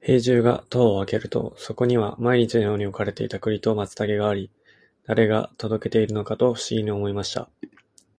兵十が戸を開けると、そこには毎日のように置かれていた栗と松茸があり、誰が届けているのかと不思議に思いました。